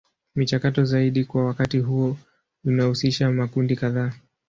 Michakato zaidi kwa wakati huo huo inahusisha makundi kadhaa.